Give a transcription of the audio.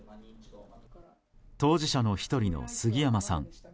当事者の１人の杉山さん。